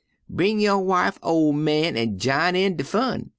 'Bring yo' wife, ol' man, an' jine in de fun!'